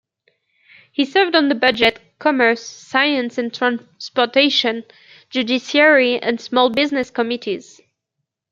He served on the Budget, Commerce, Science and Transportation, Judiciary, and Small Business Committees.